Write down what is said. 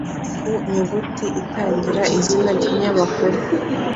Ku nyuguti itangira izina ry’ikinyamakuru